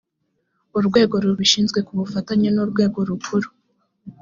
urwego rubishinzwe ku bufatanye n’urwego rukuru